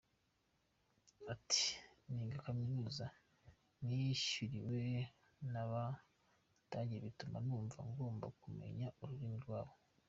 Ati” Niga kaminuza nishyuriwe n’Abadage bituma numva ngomba kumenya ururimi rwabo.